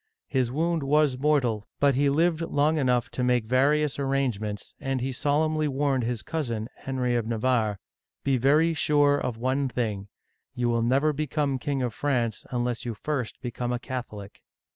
His wound was mortal, but he lived long enough to make various arrangements, and he solemnly warned his cousin, Henry of Navarre, " Be very sure of one thing, you will never become King of France un less you first become a Catholic